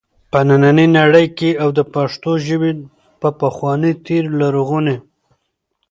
په ننی نړۍ کي او د پښتو ژبي په پخواني تیر لرغوني